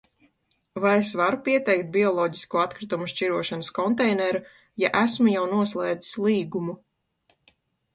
Vai es varu pieteikt bioloģisko atkritumu šķirošanas konteineru, ja esmu jau noslēdzis līgumu?